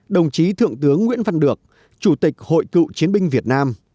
đồng chí thượng tướng nguyễn văn được chủ tịch hội cựu chiến binh việt nam